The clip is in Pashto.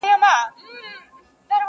د ساړه ژمي شپې ظالمي توري!!